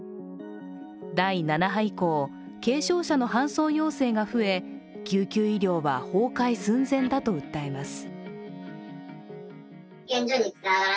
第７波以降、軽症者の搬送要請が増え救急医療は崩壊寸前だと訴えます。